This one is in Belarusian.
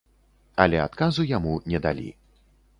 Але адказу яму не далі.